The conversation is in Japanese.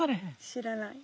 知らない。